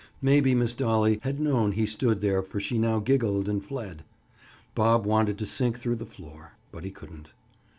Maybe Miss Dolly had known he stood there for she now giggled and fled. Bob wanted to sink through the floor, but he couldn't.